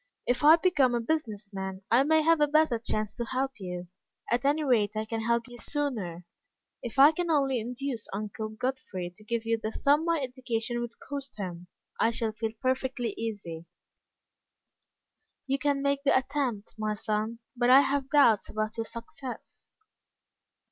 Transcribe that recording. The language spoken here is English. If I become a business man, I may have a better chance to help you. At any rate, I can help you sooner. If I can only induce Uncle Godfrey to give you the sum my education would cost him, I shall feel perfectly easy." "You can make the attempt, my son, but I have doubts about your success."